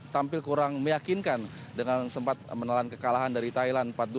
tampil kurang meyakinkan dengan sempat menelan kekalahan dari thailand empat dua